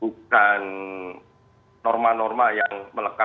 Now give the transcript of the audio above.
bukan norma norma yang melekat